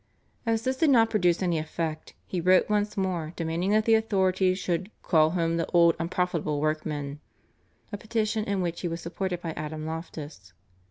" As this did not produce any effect, he wrote once more, demanding that the authorities should "call home the old unprofitable workman," a petition in which he was supported by Adam Loftus.